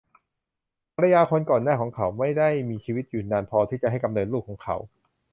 ภรรยาคนก่อนหน้าของเขาไม่ได้มีชีวิตอยู่นานพอที่จะให้กำเนิดลูกของเขา